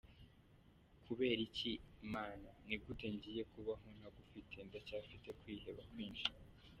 Kubera iki Mana? Ni gute ngiye kubaho ntagufite, ndacyafite kwiheba kwinshi.